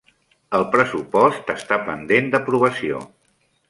El pressupost està pendent d'aprovació